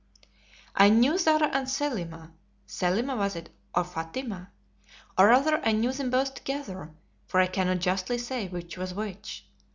'] I knew Zara and Selima (Selima was it, or Fatima?), or rather I knew them both together, for I cannot justly say which was which.